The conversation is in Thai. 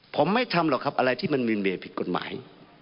ผมไม่ทำหรอกครับอะไรที่มันมีเบย์ผิดกฎหมาย